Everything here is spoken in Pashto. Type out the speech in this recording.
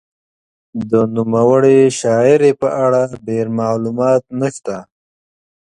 د نوموړې شاعرې په اړه ډېر معلومات نشته.